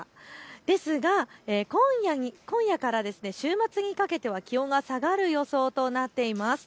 ですが今夜から週末にかけては気温が下がる予想となっています。